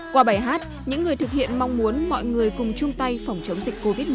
qua bài hát những người thực hiện mong muốn mọi người cùng chung tay phòng chống dịch covid một mươi chín